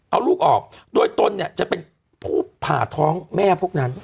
เอาลูกออกโดยตนเนี่ยจะเป็นผู้ผ่าท้องแม่พวกนั้น